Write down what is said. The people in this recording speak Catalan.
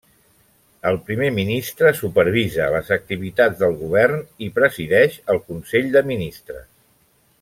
El Primer ministre supervisa les activitats del govern i presideix el Consell de Ministres.